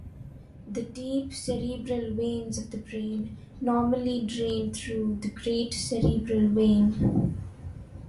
The deep cerebral veins of the brain normally drain through the great cerebral vein.